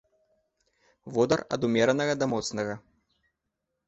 Водар ад умеранага да моцнага.